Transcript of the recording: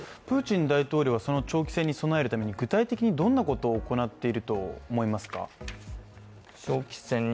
プーチン大統領はその長期戦に備えるために具体的にどんなことをやっていると思いますか？